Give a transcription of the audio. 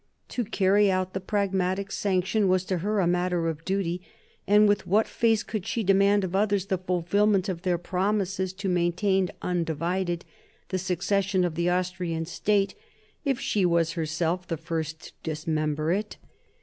To carry out the 1743 45 WAR OF SUCCESSION 27 Pragmatic Sanction was to her a matter of duty, and with what face could she demand of others the fulfil ment of their promises to maintain undivided the succession of the Austrian state, if she was herself the first to dismember it?